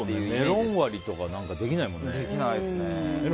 メロン割りとかできないもんね。